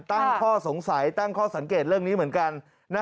ตั้งข้อสงสัยตั้งข้อสังเกตเรื่องนี้เหมือนกัน